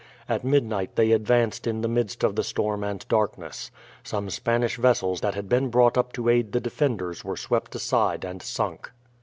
At midnight they advanced in the midst of the storm and darkness. Some Spanish vessels that had been brought up to aid the defenders were swept aside and sunk.